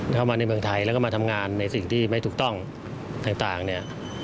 เข้ามาในเมืองไทยแล้วก็มาทำงานในสิ่งที่ไม่ถูกต้องต่างเนี่ย